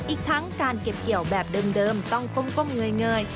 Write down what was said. อีกทั้งการเก็บเกี่ยวแบบเดิมต้องก้มเงย